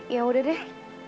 ya udah deh